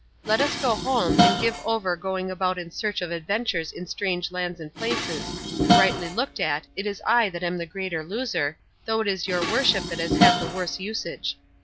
Let us go home, and give over going about in search of adventures in strange lands and places; rightly looked at, it is I that am the greater loser, though it is your worship that has had the worse usage.